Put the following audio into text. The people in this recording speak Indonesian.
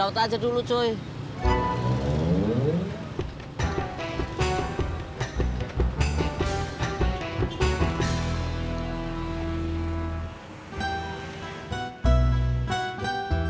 kayaknya capek nih